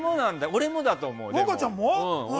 俺もだと思うよ。